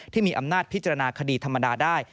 ที่มีอำนาจพิจารณาคดีธรรมดาได้